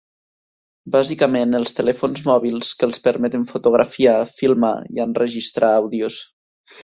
Bàsicament els telèfons mòbils, que els permeten fotografiar, filmar i enregistrar àudios.